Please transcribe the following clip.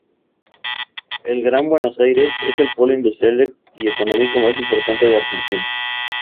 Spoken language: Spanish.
El Gran Buenos Aires es el polo industrial y económico más importante de Argentina.